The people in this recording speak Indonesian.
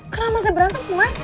kenapa masih berantem sih maik